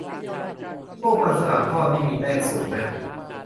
พวกมันฝรั่งทอดนี่มีแป้งสูงนะ